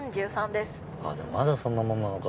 あでもまだそんなもんなのか。